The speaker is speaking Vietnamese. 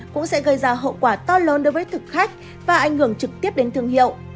cũng sẽ gây ra hậu quả to lớn đối với thực khách và ảnh hưởng trực tiếp đến thương hiệu